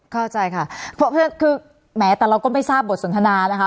เข้าใจค่ะคือแม้แต่เราก็ไม่ทราบบทสนทนานะคะ